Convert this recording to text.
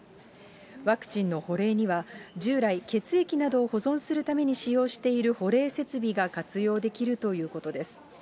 ワクチンの保冷には従来血液などを保存するために使用している保冷設備が活用できるということです。